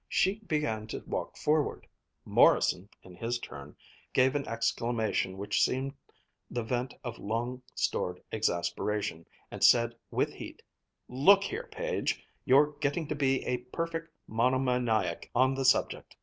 She began to walk forward. Morrison in his turn gave an exclamation which seemed the vent of long stored exasperation, and said with heat: "Look here, Page, you're getting to be a perfect monomaniac on the subject!